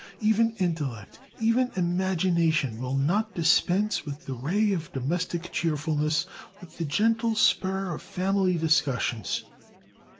Even intellect, even imagination will not dispense with the ray of domestic cheerfulness, with the gentle spur of family discussions.